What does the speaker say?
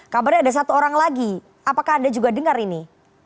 kabarnya ada satu orang lagi apakah anda juga dengar ini